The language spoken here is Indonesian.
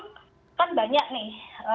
kan banyak nih